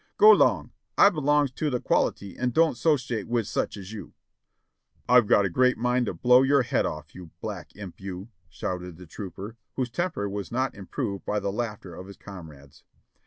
"Go long! I b'longs to de qualit} an' don't 'sociate wid such as you." "I've a great mind to blow your head off, you black imp you !" shouted the trooper, whose temper w as not improved by the laughter of his comrades.